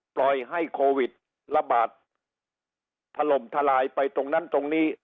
ปล่อยให้โควิดระบาดถล่มทลายไปตรงนั้นตรงนี้